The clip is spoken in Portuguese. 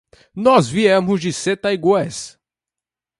Nós viemos de Setaigües.